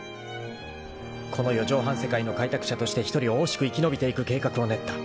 ［この四畳半世界の開拓者として１人雄々しく生き延びていく計画を練った］